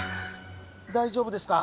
大丈夫ですか？